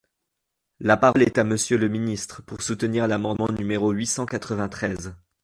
La parole est à Monsieur le ministre, pour soutenir l’amendement numéro huit cent quatre-vingt-treize.